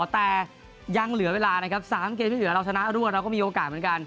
แต่ยังเหลือเวลานะครับ๓เกมที่เหลือเราชนะรวดเราก็มีโอกาสเหมือนกัน